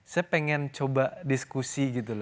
saya pengen coba diskusi gitu loh